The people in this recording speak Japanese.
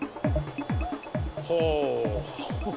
ほう。